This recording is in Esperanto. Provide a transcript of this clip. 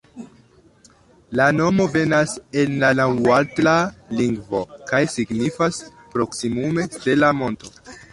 La nomo venas el la naŭatla lingvo kaj signifas proksimume «stela monto».